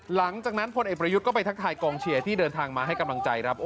หลังจากนั้นพลเอกประยุจก็ไปทักทายกองเชียร์ที่เดินทางมาให้กำลังใจ